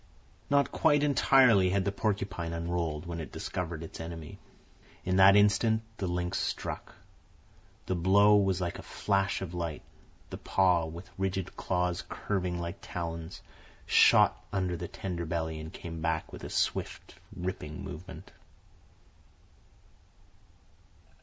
Not quite entirely had the porcupine unrolled when it discovered its enemy. In that instant the lynx struck. The blow was like a flash of light. The paw, with rigid claws curving like talons, shot under the tender belly and came back with a swift ripping movement.